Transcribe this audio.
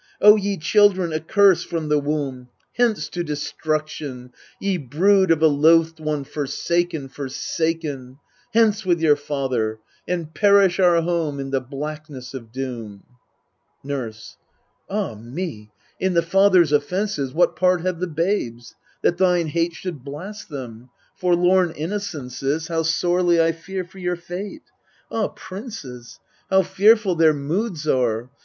() ye children accursed from I he womb, MEDEA 247 Hence to destruction, ye brood of a loathed one forsaken, forsaken ! Hence with your father, and perish our home in the blackness of doom ! Nurse. Ah me, in the father's offences What part have the babes, that thine hate Should blast them ? forlorn innocences, How sorely I fear for your fate ! Ah, princes how fearful their moods are